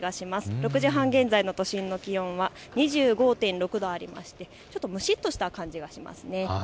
６時半現在の都心の気温は２５．６度ありましてちょっと蒸しっとした感じがありますね。